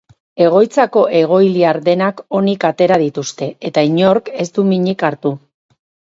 Egoitzako egoiliar denak onik atera dituzte, eta inork ez du minik hartu.